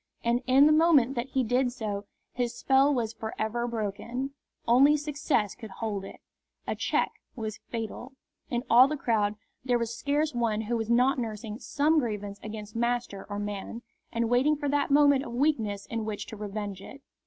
And in the moment that he did so his spell was for ever broken. Only success could hold it. A check was fatal. In all the crowd there was scarce one who was not nursing some grievance against master or man, and waiting for that moment of weakness in which to revenge it.